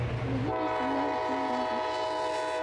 د هغې استدلال همدا دی